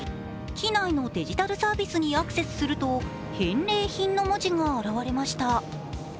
機内のデジタルサービスにアクセスすると「返礼品」の文字が現れました。